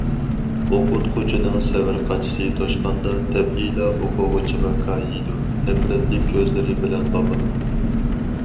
ئوقۇتقۇچىنىڭ سەۋر قاچىسى توشقاندا، تەبىئىيلا ئوقۇغۇچىغا كايىيدۇ، نەپرەتلىك كۆزلىرى بىلەن باقىدۇ.